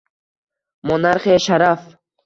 Monarxiya — sharaf